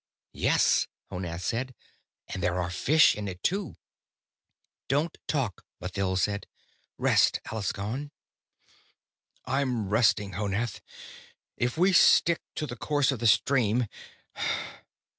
"Yes," Honath said. "And there are fish in it, too." "Don't talk," Mathild said. "Rest, Alaskon." "I'm resting. Honath, if we stick to the course of the stream....